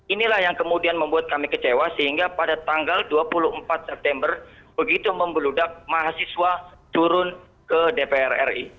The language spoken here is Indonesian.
inilah yang kemudian membuat kami kecewa sehingga pada tanggal dua puluh empat september begitu membeludak mahasiswa turun ke dpr ri